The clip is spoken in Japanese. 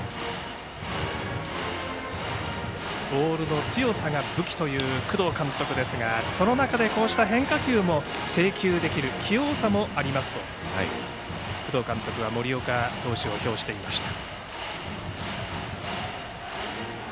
ボールの強さが武器という工藤監督ですがその中でこうした変化球も制球できる器用さもありますと、工藤監督は森岡投手を評していました。